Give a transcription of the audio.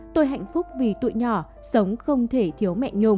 tôi hạnh phúc vì tụi nhỏ sống không thể thiếu mẹ nhung